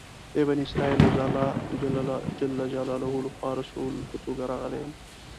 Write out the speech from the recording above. ای بني اسرایلو! زه الله جل جلاله لخوا رسول په توګه راغلی یم.